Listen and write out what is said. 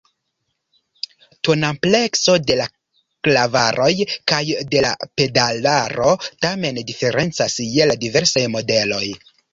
Tonamplekso de la klavaroj kaj de la pedalaro tamen diferencas je la diversaj modeloj.